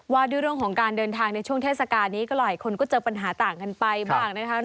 ว่าด้วยเรื่องของการเดินทางในช่วงเทศกาลนี้ก็หลายคนก็เจอปัญหาต่างกันไปบ้างนะคะ